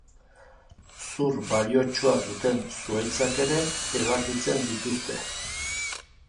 Zur baliotsua duten zuhaitzak ere ebakitzen dituzte.